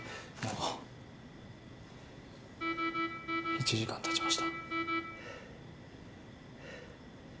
１時間たちました。